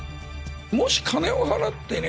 もし金を払ってね